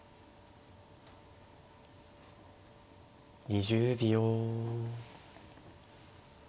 ２０秒。